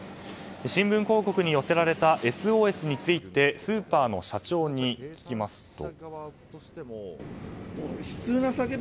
新聞広告に寄せられたＳＯＳについてスーパーの社長に聞くと。